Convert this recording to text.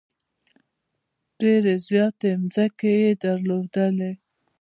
ډېرې زیاتې مځکې یې درلودلې.